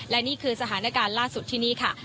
และนี่คือสถานการณ์ล่าสุดที่นี่ค่ะ